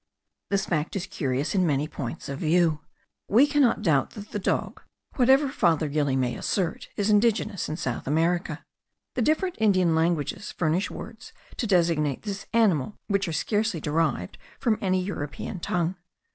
This fact is curious in many points of view. We cannot doubt that the dog, whatever Father Gili may assert, is indigenous in South America. The different Indian languages furnish words to designate this animal, which are scarcely derived from any European tongue.